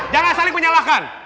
jangan saling menyalahkan